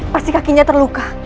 pasti kakinya terluka